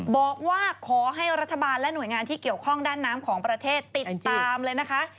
บอกว่าขอให้รัฐบาลและหน่วยงานที่เกี่ยวข้องด้านน้ำของประเทศติดตามเลยนะคะ